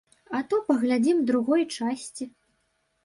А то паглядзім другой часці.